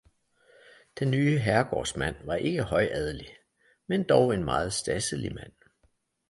Den nye herregårdsmand var ikke højadelig, men dog en meget stadselig mand.